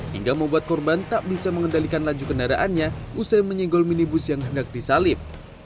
hingga membuat korban tak bisa mengendalikan laju kendaraannya usai menyegol minibus yang hendak disalib